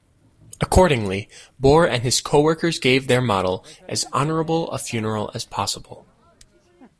Accordingly, Bohr and his co-workers gave their model "as honorable a funeral as possible".